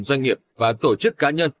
doanh nghiệp và tổ chức cá nhân